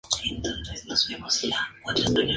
En mandarín se utiliza el carácter 分.